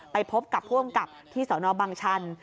ไปพบกับผู้อำกับที่สนบังชัน